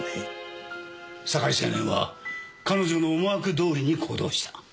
酒井青年は彼女の思惑どおりに行動した。